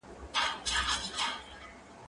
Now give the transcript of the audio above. زه کولای سم سفر وکړم!.